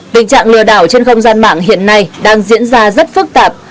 tình trạng lừa đảo trên không gian mạng hiện nay đang diễn ra rất phức tạp